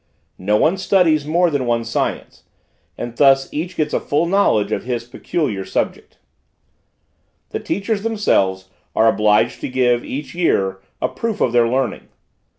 No one studies more than one science, and thus each gets a full knowledge of his peculiar subject. The teachers themselves are obliged to give, each year, a proof of their learning.